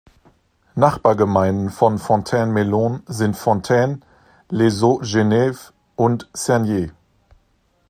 Nachbargemeinden von Fontainemelon sind Fontaines, Les Hauts-Geneveys und Cernier.